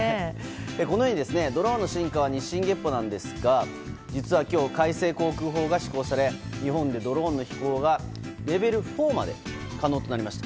このように、ドローンの進化は日進月歩なんですが実は、今日改正航空法が施行され日本でドローンの飛行がレベル４まで可能となりました。